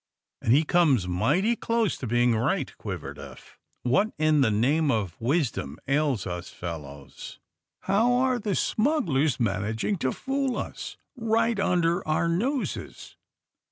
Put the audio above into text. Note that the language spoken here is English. And he comes mighty close to being right, ^' quivered Eph. What in the name of wisdom ails us fellows! How are the smugglers manag ing to fool us right under our noses?"